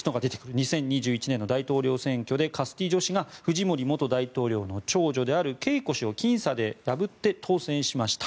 ２０２１年の大統領選挙でカスティジョ氏がフジモリ元大統領の長女であるケイコ氏をきん差で破って当選しました。